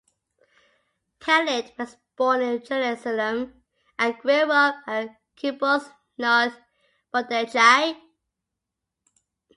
Peled was born in Jerusalem and grew up at Kibbutz Neot Mordechai.